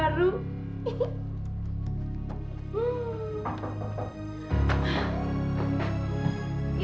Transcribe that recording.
berarti aku ada kesempatan untuk beli